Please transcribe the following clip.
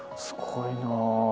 すごいな。